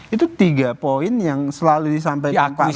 itu tiga poin yang selalu disampaikan pak jokowi